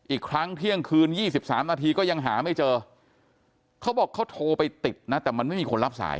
อีกครั้งเที่ยงคืน๒๓นาทีก็ยังหาไม่เจอเขาบอกเขาโทรไปติดนะแต่มันไม่มีคนรับสาย